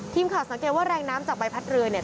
สังเกตว่าแรงน้ำจากใบพัดเรือเนี่ย